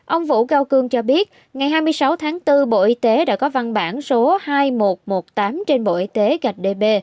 ông vũ cao cương cho biết ngày hai mươi sáu tháng bốn bộ y tế đã có văn bản số hai nghìn một trăm một mươi tám trên bộ y tế gạch db